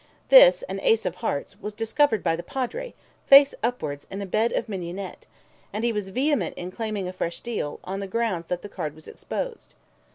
This, an ace of hearts, was discovered by the Padre, face upwards, in a bed of mignonette, and he was vehement in claiming a fresh deal, on the grounds that the card was exposed.